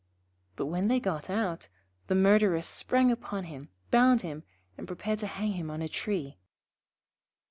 But when they got out, the Murderers sprang upon him, bound him, and prepared to hang him on a tree.